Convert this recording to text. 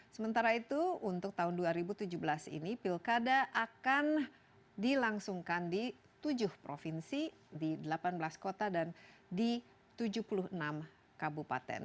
sementara itu untuk tahun dua ribu tujuh belas ini pilkada akan dilangsungkan di tujuh provinsi di delapan belas kota dan di tujuh puluh enam kabupaten